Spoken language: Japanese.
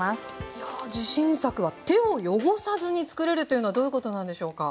いや自信作は手を汚さずにつくれるというのはどういうことなんでしょうか？